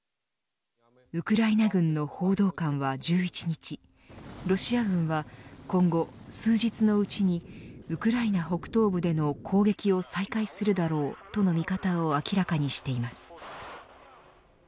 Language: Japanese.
ウクライナ軍の報道官は１１日ロシア軍は今後数日のうちにウクライナ北東部での攻撃を再開するだろうとの見方を明らかにしています。